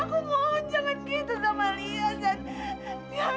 aku mohon jangan gitu sama lia kan